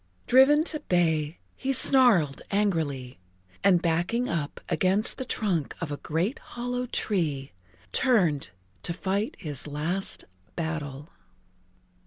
Driven to bay, he snarled angrily, and backing up against the trunk of a great hollow tree, turned to fight his last battle.